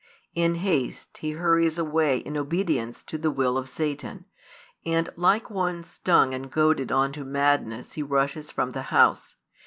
In haste he hurries away in obedience to the will of Satan, and like one stung and goaded on to madness he rushes from the house.